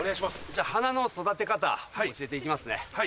じゃ花の育て方教えて行きますね。